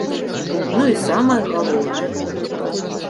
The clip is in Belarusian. Ну і самае галоўнае.